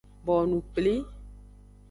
Bonu kpli.